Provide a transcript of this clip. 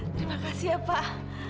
terima kasih ya pak